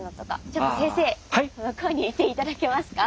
ちょっと先生向こうに行って頂けますか？